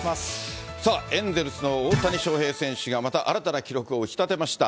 さあ、エンゼルスの大谷翔平選手がまた新たな記録を打ち立てました。